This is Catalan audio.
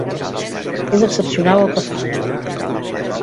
És excepcional el que fa.